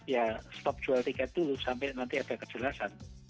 ya stop jual tiket dulu sampai nanti ada kejelasan